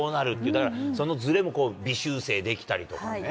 だから、そのずれも微修正できたりとかね。